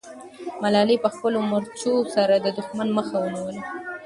ملالۍ په خپلو مرچو سره د دښمن مخه ونیوله.